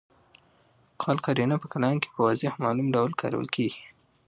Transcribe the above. قال قرینه په کلام کي په واضح او معلوم ډول کارول کیږي.